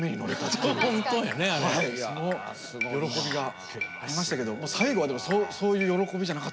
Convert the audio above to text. その喜びがありましたけど最後はでもそういう喜びじゃなかったですね。